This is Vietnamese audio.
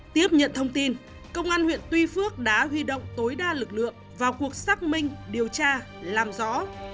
tiếp nhận thông tin công an huyện tuy phước đã huy động tối đa lực lượng vào cuộc xác minh điều tra làm rõ